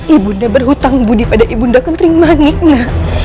ibunda berhutang bodi pada ibunda kentering maniknya